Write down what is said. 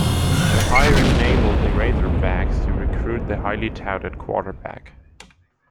The hiring enabled the Razorbacks to recruit the highly touted quarterback.